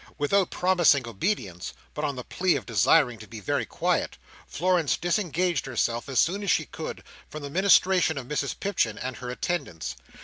Without promising obedience, but on the plea of desiring to be very quiet, Florence disengaged herself, as soon as she could, from the ministration of Mrs Pipchin and her attendants.